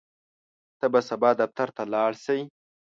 ته به سبا دفتر ته لاړ شې؟